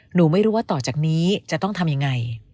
หนูไม่รู้ว่าต่อจากนี้จะต้องทำยังไง